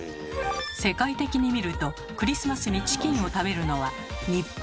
世界的に見るとクリスマスにチキンを食べるのは日本